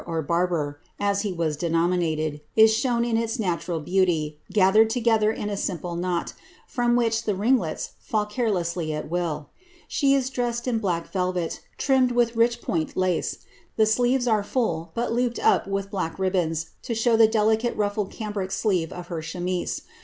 or barber, as he was denominated, is ihown in iu natnni hemiy, gathcTed ti^geihcr in a simple knot, from which the ringlets fidl care lesfsly at will. Slic is dressed in black velvet, trimmed with rich point lace. The sleeves arc full, but looped up with black ribbons, to show the delicate ru filed cambric sleeve of her chemise.